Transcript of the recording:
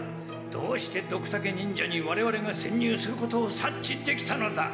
どうしてドクタケ忍者にわれわれがせんにゅうすることを察知できたのだ？